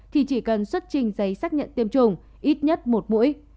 thì chỉ cần xuất trình giấy xác nhận tiêm chủng ít nhất một mũi